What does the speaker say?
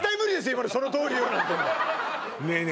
今のそのとおりよなんてねえね